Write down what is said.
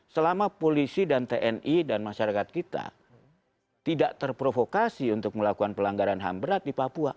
selama polisi dan tni dan masyarakat kita tidak terprovokasi untuk melakukan pelanggaran ham berat di papua